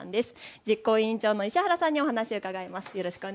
実行委員長の石原さんにお話を伺います。